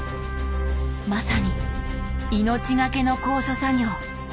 まさに命がけの高所作業。